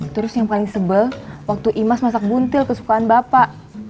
terus yang paling sebel waktu imas masak buntil kesukaan bapak